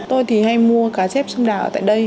tôi thì hay mua cá chép sông đà ở tại đây